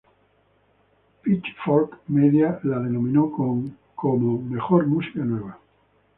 Pitchfork Media la denominó con "Mejor música nueva".